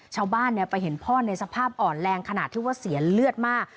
ชาวบ้านไปเห็นพ่อในสภาพอ่อนแรงขนาดที่ว่าเสียเลือดมาก